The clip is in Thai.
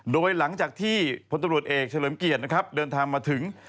โดยหลังจากที่พลตำรวจเอกเฉลิมเกียรตินะครับเดินทางมาถึง